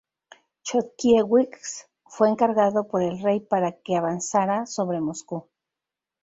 Chodkiewicz fue encargado por el rey para que avanzara sobre Moscú.